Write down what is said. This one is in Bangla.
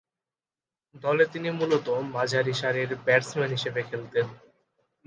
দলে তিনি মূলতঃ মাঝারিসারির ব্যাটসম্যান হিসেবে খেলতেন।